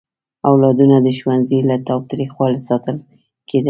اولادونه د ښوونځي له تاوتریخوالي ساتل کېدل.